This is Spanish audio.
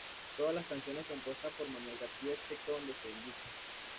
Todas las canciones compuestas por Manuel García excepto donde se indique.